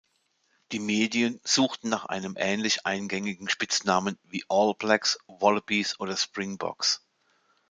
Die Medien suchten nach einem ähnlich eingängigen Spitznamen wie "All Blacks", "Wallabies" oder "Springboks".